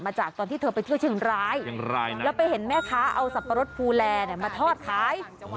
จากตอนที่เธอไปเที่ยวเชียงรายแล้วไปเห็นแม่ค้าเอาสับปะรดภูแลมาทอดขาย